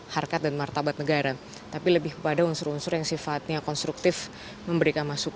harkat dan martabat negara tapi lebih kepada unsur unsur yang sifatnya konstruktif memberikan masukan